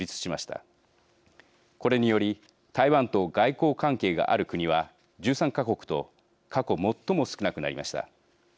これにより台湾と外交関係がある国は１３か国と過去最も少なくなりました。